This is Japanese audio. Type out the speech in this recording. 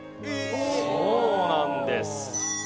そうなんです。